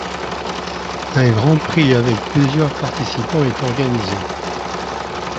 Un grand prix avec plusieurs participants est organisé.